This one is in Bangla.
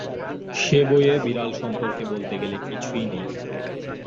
সেবইয়ে বিড়াল সম্পর্কে বলতে গেলে কিছুই নেই।